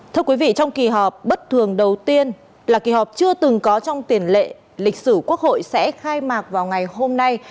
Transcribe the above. thưa quý vị trong kỳ họp bất thường đầu tiên là kỳ họp chưa từng có trong tiền lệ lịch sử quốc hội sẽ khai mạc vào ngày hôm nay